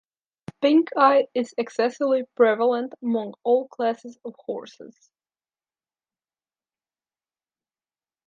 Pink-eye is excessively prevalent among all classes of horses.